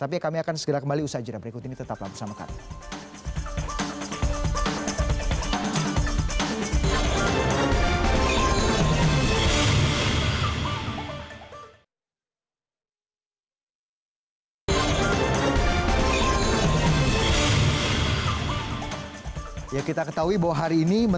tapi kami akan segera kembali usaha jurnal berikut ini tetap bersama kami